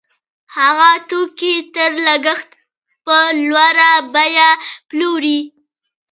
هغه توکي تر لګښت په لوړه بیه پلوري